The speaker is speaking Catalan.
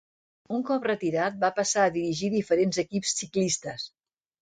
Un cop retirat va passar a dirigir diferents equips ciclistes.